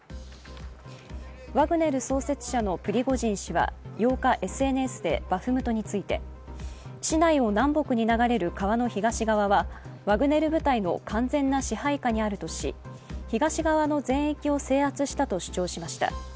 ワグネル創設者のプリゴジン氏は８日ＳＮＳでバフムトについてバフムトについて、市内を南北に流れる川の東側はワグネル部隊の完全な支配下にあるとし東側の全域を制圧したと主張しました。